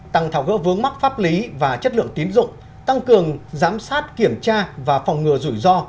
tăng thảo gỡ vướng mắc pháp lý và chất lượng tín dụng tăng cường giám sát kiểm tra và phòng ngừa rủi ro